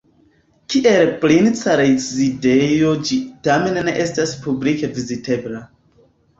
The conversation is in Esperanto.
Kiel princa rezidejo ĝi tamen ne estas publike vizitebla.